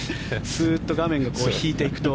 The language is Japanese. スーッと画面が引いていくと。